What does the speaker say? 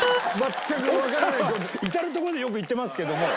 奥さんは至る所でよく言ってますけども。